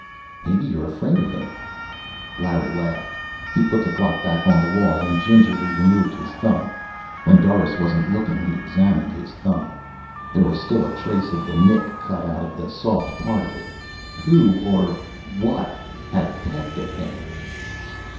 "Maybe you're afraid of him." Larry laughed. He put the clock back on the wall and gingerly removed his thumb. When Doris wasn't looking he examined his thumb. There was still a trace of the nick cut out of the soft part of it. Who or what had pecked at him?